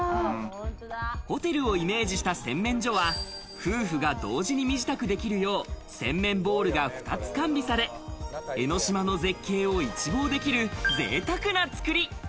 ホテルをイメージした洗面所は夫婦が同時に身支度できるよう、洗面ボウルが二つ完備され、江の島の絶景を一望できる贅沢な作り。